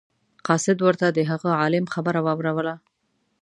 قاصد ورته د هغه عالم خبره واوروله.